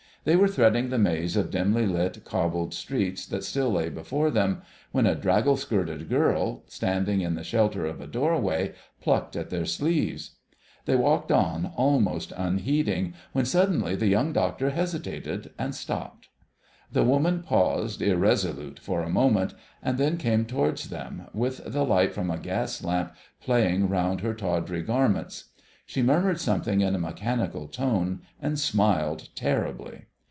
They were threading the maze of dimly lit, cobbled streets that still lay before them, when a draggle skirted girl, standing in the shelter of a doorway, plucked at their sleeves. They walked on almost unheeding, when suddenly the Young Doctor hesitated and stopped. The woman paused irresolute for a moment, and then came towards them, with the light from a gas lamp playing round her tawdry garments. She murmured something in a mechanical tone, and smiled terribly.